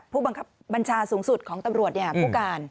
ผู้บัญชาสูงสุดของตำรวจผู้การ